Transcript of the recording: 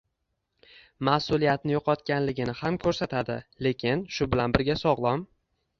mas’uliyatni” yo‘qotganligini ham ko‘rsatadi, lekin shu bilan birga sog‘lom